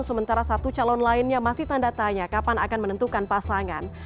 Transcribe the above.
sementara satu calon lainnya masih tanda tanya kapan akan menentukan pasangan